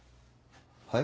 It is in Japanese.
はい？